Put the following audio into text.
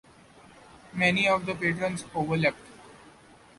Many of the patrons overlapped.